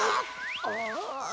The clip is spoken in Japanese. ああ。